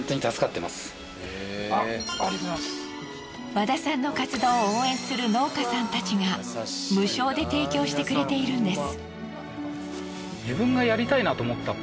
和田さんの活動を応援する農家さんたちが無償で提供してくれているんです。